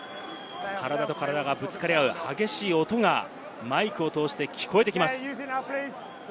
体と体がぶつかり合う激しい音が、マイクを通して聞こえてきます。